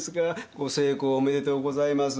ご成功おめでとうございます。